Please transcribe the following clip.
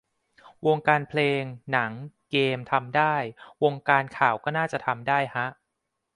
วงการเพลง หนัง เกมทำได้ วงการข่าวก็น่าจะทำได้ฮะ